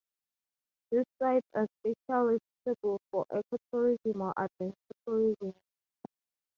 These sites are specially suitable for ecotourism or adventure tourism.